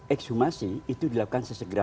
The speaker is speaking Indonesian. ekshumasi itu dilakukan sesegera